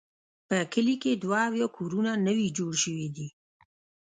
په کلي کې دوه اویا کورونه نوي جوړ شوي دي.